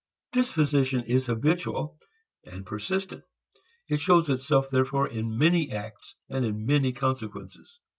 Disposition is habitual, persistent. It shows itself therefore in many acts and in many consequences.